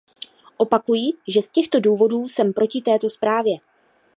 Opakuji, že z těchto důvodu jsem proti této zprávě.